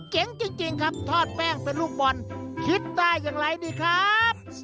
เจ๋งจริงครับทอดแป้งเป็นลูกบอลคิดได้อย่างไรดีครับ